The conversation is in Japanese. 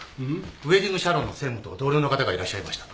ウエディングシャロンの専務と同僚の方がいらっしゃいました。